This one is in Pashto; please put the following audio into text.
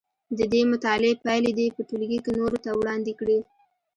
د دې مطالعې پایلې دې په ټولګي کې نورو ته وړاندې کړي.